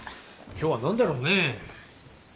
今日は何だろうね。